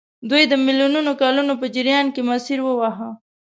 دوی د میلیونونو کلونو په جریان کې مسیر وواهه.